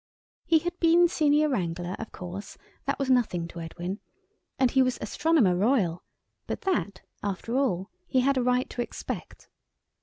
He had been Senior Wrangler, of course; that was nothing to Edwin. And he was Astronomer Royal, but that, after all, he had a right to expect.